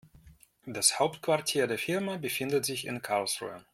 Das Hauptquartier der Firma befindet sich in Karlsruhe